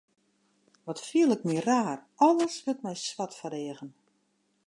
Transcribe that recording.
Wat fiel ik my raar, alles wurdt my swart foar de eagen.